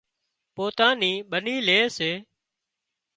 پوتان نِي ٻنِي لي سي